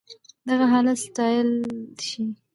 دغه حالت ستايل شي.